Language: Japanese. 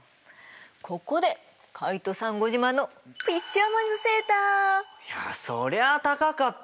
ここでカイトさんご自慢のいやそりゃあ高かったもん。